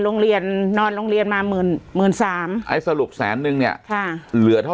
โรงเรียนนอนโรงเรียนมาหมื่นหมื่นสามไอ้สรุปแสนนึงเนี่ยค่ะเหลือเท่า